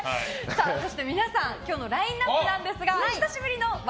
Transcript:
そして皆さん今日のラインアップなんですが久しぶりの笑